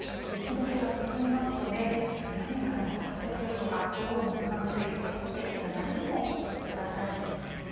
雪どけが進みますので、屋根からの落雪ですとか、道路の冠水、そして雪崩にもお気をつけください。